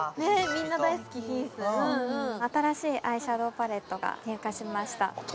みんな大好きｈｉｎｃｅ新しいアイシャドウパレットが入荷しました